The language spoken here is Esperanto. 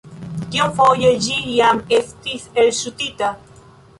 Kiomfoje ĝi jam estis elŝutita?